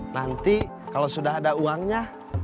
nanti kalau sudah ada uangnya